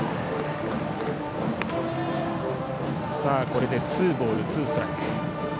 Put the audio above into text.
これでツーボールツーストライク。